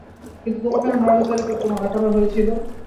কিন্তু তোমাকে না নজরদারি করতে মানা করা হয়েছিল?